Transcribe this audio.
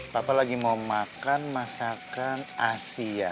papa lagi mau makan masakan asia